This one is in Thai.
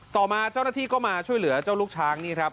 ต่อมาเจ้าหน้าที่ก็มาช่วยเหลือเจ้าลูกช้างนี่ครับ